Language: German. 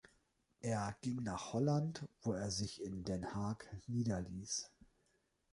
Er ging nach Holland, wo er sich in Den Haag niederließ.